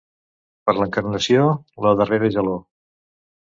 Per l'Encarnació, la darrera gelor.